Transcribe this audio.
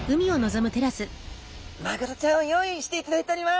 マグロちゃんを用意していただいております。